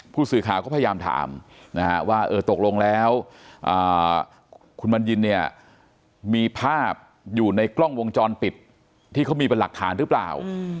ผู้สื่อข่าวก็พยายามถามว่าเออตกลงแล้วคุณบัญญินเนี่ยมีภาพอยู่ในกล้องวงจรปิดที่เขามีเป็นหลักฐานหรือเปล่า